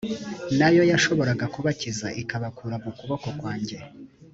na yo yashobora kubakiza ikabakura mu kuboko kwanjye